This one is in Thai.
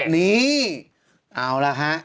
นี่เอาละฮะ